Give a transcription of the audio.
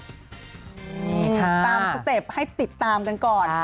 ตามสเต็ปให้ติดตามกันก่อน